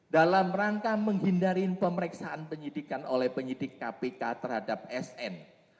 dalam rangka menghindari pemeriksaan penyidikan oleh penyidik kpk terhadap sn